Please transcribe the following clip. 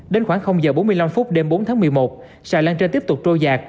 đến khoảng h bốn mươi năm phút đêm bốn tháng một mươi một xà lan trên tiếp tục trôi giạt